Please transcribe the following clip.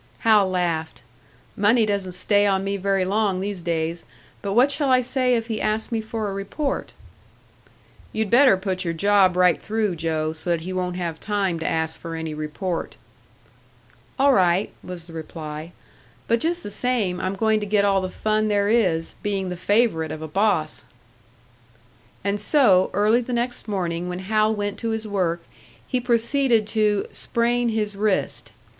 Hal laughed. "Money doesn't stay on me very long these days. But what shall I say if he asks me for a report?" "You'd better put your job right through, Joe so that he won't have time to ask for any report." "All right," was the reply. "But just the same, I'm going to get all the fun there is, being the favourite of a boss!" And so, early the next morning when Hal went to his work he proceeded to "sprain his wrist."